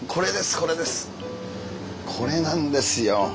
これなんですよ。